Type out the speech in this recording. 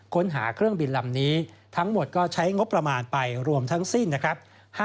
ค้นหาเครื่องบินลำนี้ทั้งหมดก็ใช้งบประมาณไปรวมทั้งสิ้นนะครับ